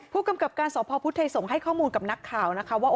ผู้กำกับการสพพุทธไทยสงศ์ให้ข้อมูลกับนักข่าวนะคะว่า